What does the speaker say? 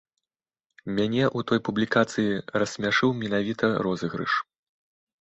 Мяне ў той публікацыі рассмяшыў менавіта розыгрыш.